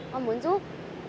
con muốn giúp